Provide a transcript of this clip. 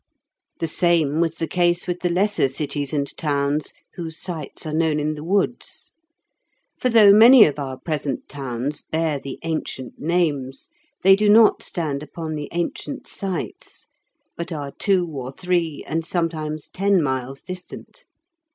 The same was the case with the lesser cities and towns whose sites are known in the woods. For though many of our present towns bear the ancient names, they do not stand upon the ancient sites, but are two or three, and sometimes ten miles distant.